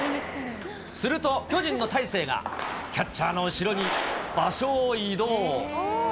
すると巨人の大勢が、キャッチャーの後ろに場所を移動。